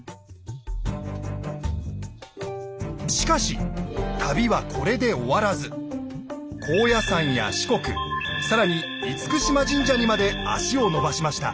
しかし旅はこれで終わらず高野山や四国更に嚴島神社にまで足を延ばしました。